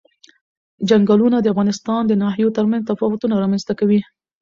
چنګلونه د افغانستان د ناحیو ترمنځ تفاوتونه رامنځ ته کوي.